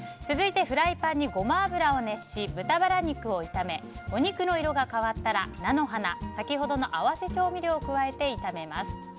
続いてフライパンにゴマ油を熱し豚バラ肉を炒めお肉の色が変わったら菜の花先ほどの合わせ調味料を加えて炒めます。